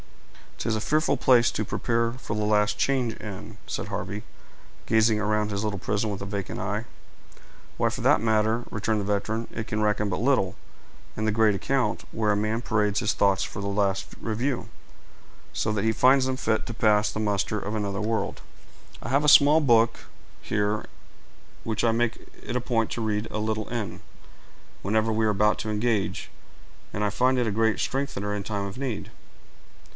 "'Tis a fearful place to prepare for the last change in," said Harvey, gazing around his little prison with a vacant eye. "Why, for the matter of that," returned the veteran, "it can reckon but little in the great account, where a man parades his thoughts for the last review, so that he finds them fit to pass the muster of another world. I have a small book here, which I make it a point to read a little in, whenever we are about to engage, and I find it a great strengthener in time of need."